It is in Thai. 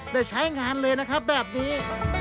ได้ใช้งานเลยนะครับแบบนี้